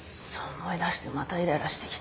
思い出してまたイライラしてきた。